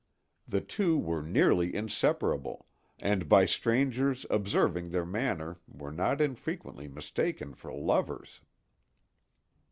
The two were nearly inseparable, and by strangers observing their manner were not infrequently mistaken for lovers.